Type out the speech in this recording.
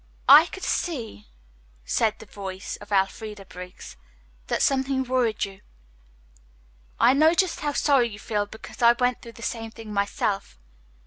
"I could see," said the voice of Elfreda Briggs, "that something worried you. I know just how sorry you feel, because I went through the same thing myself.